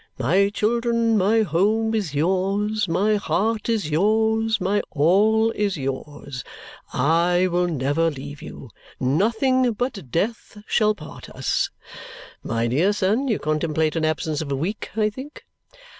My children, my home is yours, my heart is yours, my all is yours. I will never leave you; nothing but death shall part us. My dear son, you contemplate an absence of a week, I think?"